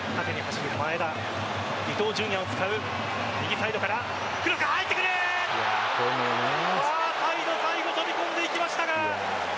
ファーサイド、最後飛び込んでいきましたが。